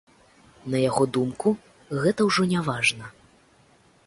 На яго думку, гэта ўжо не важна.